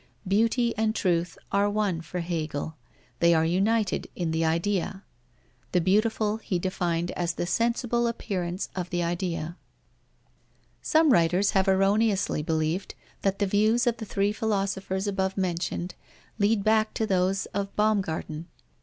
Beauty and Truth are one for Hegel; they are united in the Idea. The beautiful he defined as the sensible appearance of the Idea. Some writers have erroneously believed that the views of the three philosophers above mentioned lead back to those of Baumgarten.